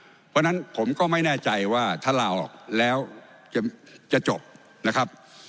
เพราะฉะนั้นผมก็ไม่แน่ใจว่าถ้าลาออกแล้วจะจบนะครับ